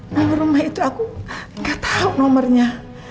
nomor rumah itu aku gak tau nomernya